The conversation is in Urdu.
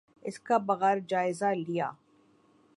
اس کا بغور جائزہ لیا۔